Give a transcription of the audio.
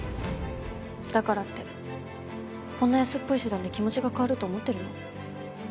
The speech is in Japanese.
だからってこんな安っぽい手段で気持ちが変わると思ってるの？